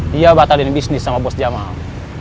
dia batalin bisnis sama bos jamal